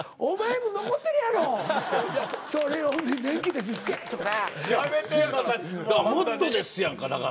もっとですやんかだから。